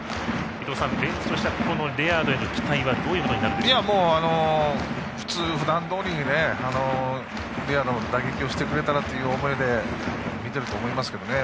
伊東さん、ベンチとしてはレアードへの期待はふだんどおりにレアードの打撃をしてくれたらという思いで見ていると思いますけどね。